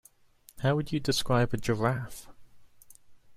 How would you describe a giraffe?